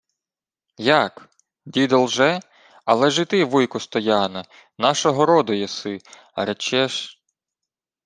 — Як, дідо лже? Але ж і ти, вуйку Стояне, нашого роду єси, а речеш...